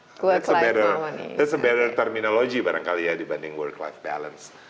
itu terminologi yang lebih baik barangkali ya dibanding work life balance